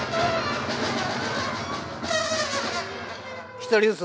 １人ずつ。